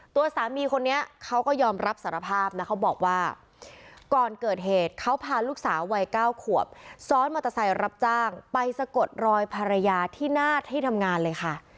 ตัวสามีคนนี้เขาก็ยอมรับสารภาพนะเขาบอกว่าก่อนเกิดเหตุเขาพาลูกสาววัย๙ขวบซ้อนมอเตอร์ไซค์รับจ้างไปสะกดรอยภรรยาที่หน้าที่ทำงานเลยค่ะ